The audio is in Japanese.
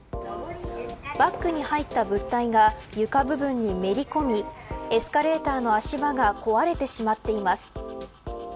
バッグに入った物体が床部分にめり込みエスカレーターの足場が壊れてしまっています。